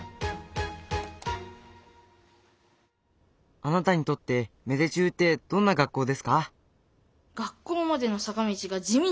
あなたにとって芽出中ってどんな学校ですか？